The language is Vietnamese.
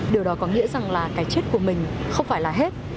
điều đó có nghĩa rằng là cái chết của mình không phải là hết